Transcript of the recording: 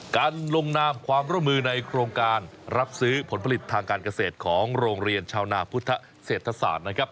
การลงนามความร่วมมือในโครงการรับซื้อผลผลิตทางการเกษตรของโรงเรียนชาวนาพุทธเศรษฐศาสตร์นะครับ